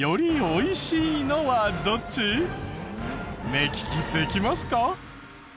目利きできますか？